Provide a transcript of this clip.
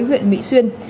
huyện mỹ xuyên